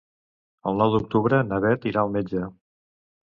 El nou d'octubre na Bet irà al metge.